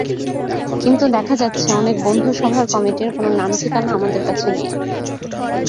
কিন্তু দেখা যাচ্ছে, অনেক বন্ধুসভার কমিটির কোনো নাম-ঠিকানা আমাদের কাছে নেই।